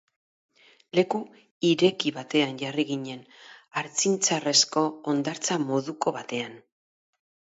Leku ireki batean jarri ginen, hartxintxarrezko hondartza moduko batean.